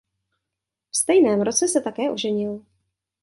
V stejném roce se také oženil.